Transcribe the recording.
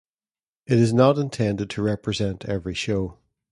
It is not intended to represent every show.